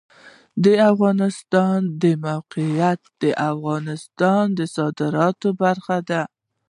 د افغانستان د موقعیت د افغانستان د صادراتو برخه ده.